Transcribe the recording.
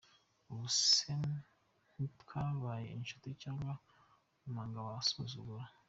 Ubu se ntitwabaye inshuti? Cyangwa wanga abagusura?.